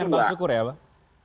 apalagi dengan bang sukur ya pak